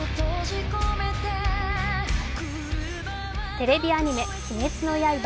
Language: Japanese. テレビアニメ「鬼滅の刃」